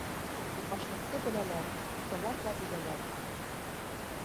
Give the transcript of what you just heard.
Йыуашлыҡты беләләр, тоталар ҙа үбәләр.